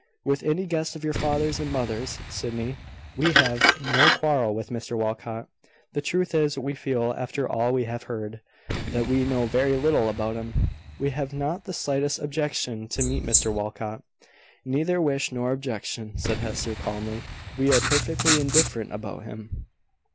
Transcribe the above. "With any guest of your father's and mother's, Sydney. We have no quarrel with Mr Walcot. The truth is, we feel, after all we have heard, that we know very little about him. We have not the slightest objection to meet Mr Walcot." "Neither wish nor objection," said Hester, calmly. "We are perfectly indifferent about him."